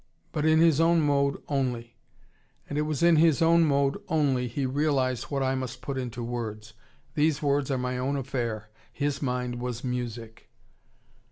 But in his own mode only: and it was in his own mode only he realised what I must put into words. These words are my own affair. His mind was music.